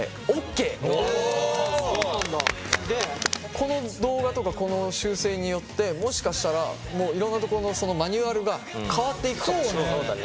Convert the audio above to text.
この動画とかこの修正によってもしかしたらいろんなところのそのマニュアルが変わっていくかもしれない。